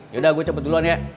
yaudah gue cepet duluan ya